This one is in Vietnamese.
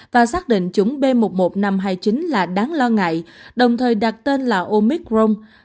và xác định chủng b một một năm trăm hai mươi chín là đáng lo ngại đồng thời đặt tên là omicron